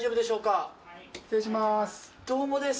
失礼します。